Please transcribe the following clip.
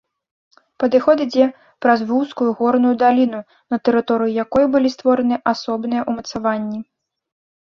Падыход ідзе праз вузкую горную даліну, на тэрыторыі якой былі створаны асобныя ўмацаванні.